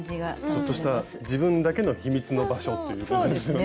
ちょっとした自分だけの秘密の場所っていうことですよね。